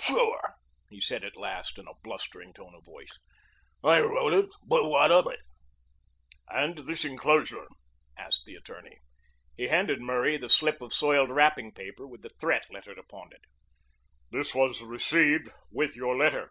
"Sure," he said at last in a blustering tone of voice. "I wrote it. But what of it?" "And this enclosure?" asked the attorney. He handed Murray the slip of soiled wrapping paper with the threat lettered upon it. "This was received with your letter."